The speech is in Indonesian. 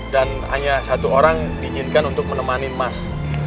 dan hanya satu orang diizinkan untuk menemani mas